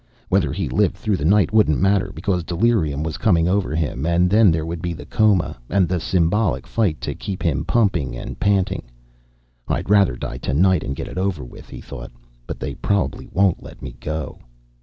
Whether he lived through the night wouldn't matter, because delirium was coming over him, and then there would be the coma, and the symbolic fight to keep him pumping and panting. I'd rather die tonight and get it over with, he thought, but they probably won't let me go.